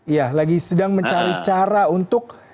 ya lagi sedang mencari cara untuk